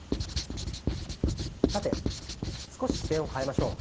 さて少し視点を変えましょう。